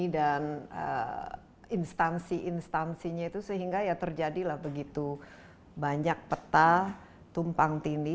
dan instansi instansinya itu sehingga ya terjadilah begitu banyak peta tumpang tindi